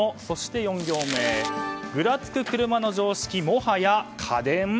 そして４行目ぐらつく車の常識、もはや家電？